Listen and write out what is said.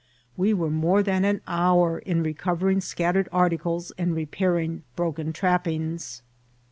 We were more than an hour in recoYering scattered articles and repairing broken trappings.